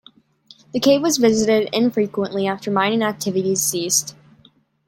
The cave was visited infrequently after mining activities ceased.